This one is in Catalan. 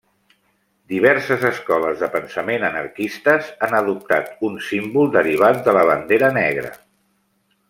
Diverses escoles de pensament anarquistes han adoptat un símbol derivat de la bandera negra.